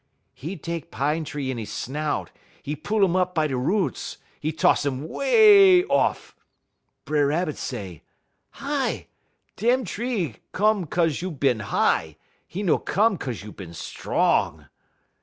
"'E tek pine tree in 'e snout; 'e pull um by da roots; 'e toss um way off. B'er Rabbit say: "'Hi! dem tree come 'cause you bin high; 'e no come 'cause you bin strong.'